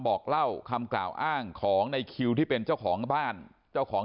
บอกเล่าคำกล่าวอ้างของในคิวที่เป็นเจ้าของบ้านเจ้าของ